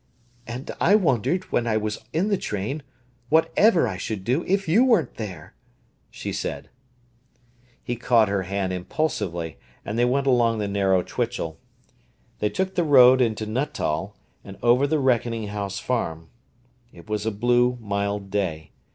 "And I wondered, when I was in the train, what_ever_ I should do if you weren't there!" she said. He caught her hand impulsively, and they went along the narrow twitchel. They took the road into Nuttall and over the Reckoning House Farm. It was a blue, mild day.